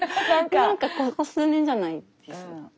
なんかここ数年じゃないですか。